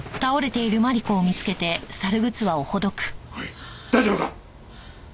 おい大丈夫か？